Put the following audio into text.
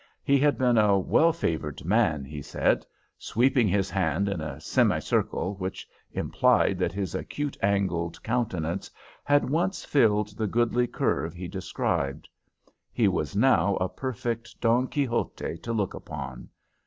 He had been a well favored man, he said, sweeping his hand in a semicircle, which implied that his acute angled countenance had once filled the goodly curve he described. He was now a perfect Don Quixote to look upon.